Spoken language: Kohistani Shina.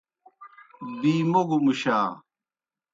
بی موگوْ مُشا۔